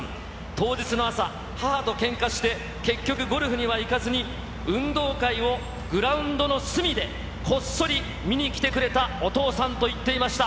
当日の朝、母とけんかして結局、ゴルフには行かずに、運動会をグラウンドの隅で、こっそり見に来てくれたお父さんと言っていました。